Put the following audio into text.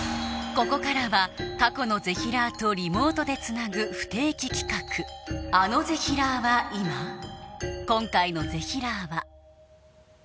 ここからは過去のぜひらーとリモートでつなぐ不定期企画今回のぜひらーは？